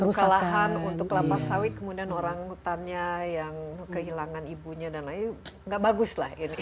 mengalahan untuk lapas sawit kemudian orang hutannya yang kehilangan ibunya dan lainnya gak bagus lah ini